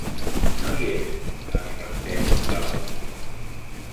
No hi és —es rendeix la Laura.